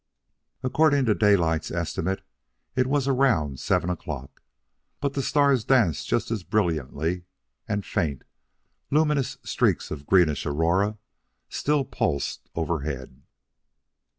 According to Daylight's estimate, it was around seven o'clock; but the stars danced just as brilliantly, and faint, luminous streaks of greenish aurora still pulsed overhead.